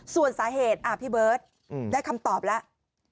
ส่วนสาเหตุพี่เบิร์ตได้คำตอบแล้ว